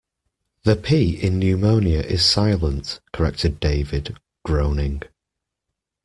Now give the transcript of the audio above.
The P in pneumonia is silent, corrected David, groaning.